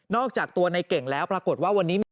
อกจากตัวในเก่งแล้วปรากฏว่าวันนี้มี